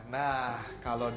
kalau diperkenalkan dari komiknya